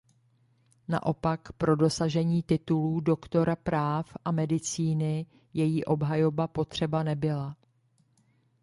Naopak pro dosažení titulů doktora práv a medicíny její obhajoba potřeba nebyla.